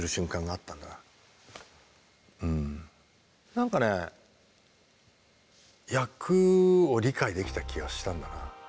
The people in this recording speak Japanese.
何かね役を理解できた気がしたんだな。